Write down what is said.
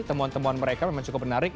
temuan temuan mereka memang cukup menarik